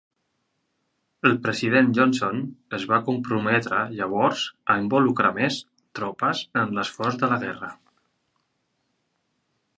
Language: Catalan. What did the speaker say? El president Johnson es va comprometre llavors a involucrar més tropes en l'esforç de la guerra.